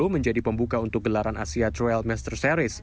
dua ribu dua puluh menjadi pembuka untuk gelaran asia trail master series